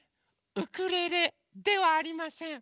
ウクレレではありません。